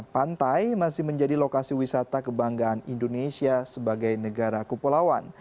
pantai masih menjadi lokasi wisata kebanggaan indonesia sebagai negara kepulauan